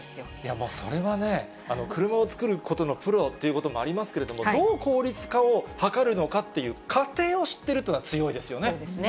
もうそれはね、車を作ることのプロっていうこともありますけど、どう効率化を図るのかっていう過程を知っているっていうのは、強いですよね。